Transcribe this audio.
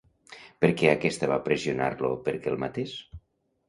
Per què aquesta va pressionar-lo perquè el matés?